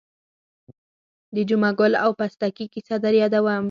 د جمعه ګل او پستکي کیسه در یادوم.